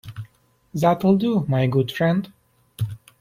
That'll do, my good friend!